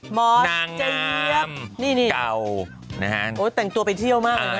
นางเจียมเก่านะฮะโอ้แต่งตัวไปเที่ยวมากเลยนะ